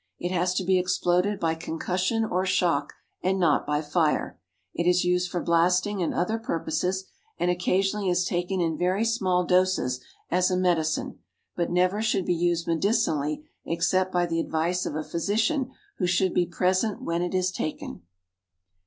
It has to be exploded by concussion or shock, and not by fire. It is used for blasting and other purposes, and occasionally is taken in very small doses as a medicine, but never should be used medicinally except by the advice of a physician who should be present when it is taken.